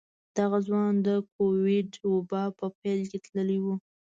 دغه ځوان د کوويډ وبا په پيل کې تللی و.